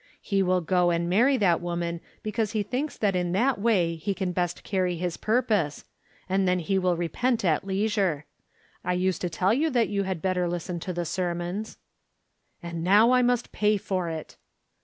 He will go and marry that woman because he thinks that in that way he can best carry his purpose, and then he will repent at leisure. I used to tell you that you had better listen to the sermons." "And now I must pay for it!"